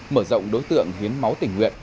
mở rộng đối tượng hiến máu tình nguyện